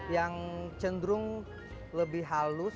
yang cenderung lebih halus